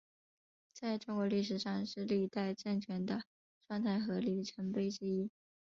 在中国历史上是历代政权的状态和里程碑之一。